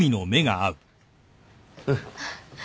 うん。